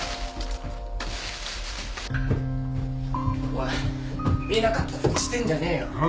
おい見なかったふりしてんじゃねえよ。